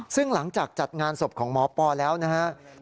ซึ่งหลังจากจัดงานศพของหมอปอแล้วนะครับ